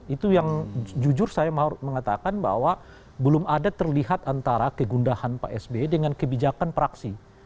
itu yang jujur saya mengatakan bahwa belum ada terlihat antara kegundahan pak sby dengan kebijakan praksi